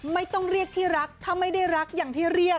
ไม่ต้องเรียกที่รักถ้าไม่ได้รักอย่างที่เรียก